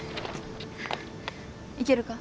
いけるか？